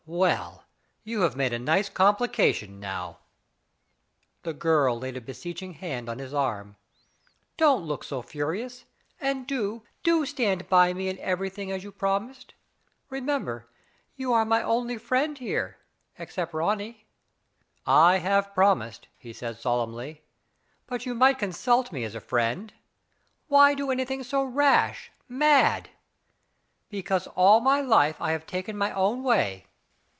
"Well ! you have made a nice complication, now." The girl laid a beseeching hand on his arm. Don*t look so furious; and do — do stand by me in everything as you promised. Remember, you are my only friend here — except Ronny." *'I have promised," he said solemnly.' "But you might consult me as a friend. And why do anything so rash — mad?" * 'Because all my life I have taken my own way.